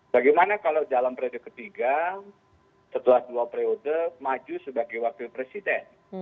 bagaimana kalau dalam periode ketiga setelah dua periode maju sebagai wakil presiden